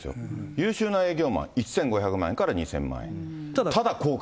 優秀な営業マン、１５００万円から２０００万円、ただ降格。